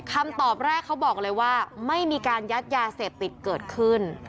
คำตอบแรกเขาบอกเลยว่าไม่มีการยัดยาเสพติดเกิดขึ้น